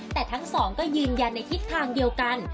แต่ทั้งสองก็ยืนยันในทิศทางเดียวกัน